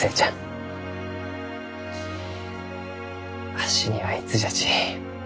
わしにはいつじゃち